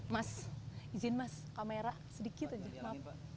mas izin mas kamera sedikit aja maaf